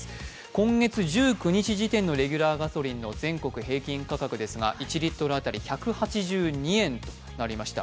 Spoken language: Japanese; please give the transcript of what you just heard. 今月１９日時点のレギュラーガソリンの全国平均価格ですが、１リットル当たり１８２円となりました。